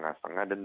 silakan mas haris